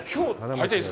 はい。